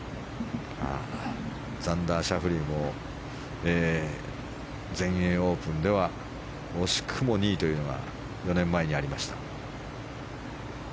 ザンダー・シャフリーも全英オープンでは惜しくも２位というのが４年前にありました。